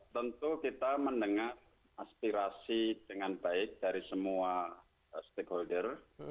tentu kita mendengar aspirasi dengan baik dari semua stakeholder